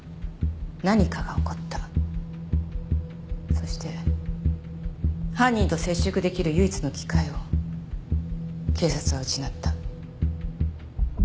そして犯人と接触出来る唯一の機会を警察は失った。